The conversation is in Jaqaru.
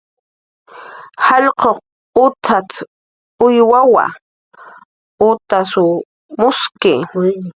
"Jallq'uq utat"" uywawa, utasw mushki."